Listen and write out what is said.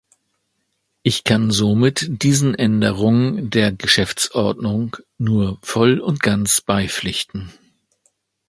Ich kann somit diesen Änderung der Geschäftsordnung nur voll und ganz beipflichten.